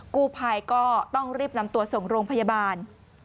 กู้ภัยก็ต้องรีบนำตัวส่งโรงพยาบาล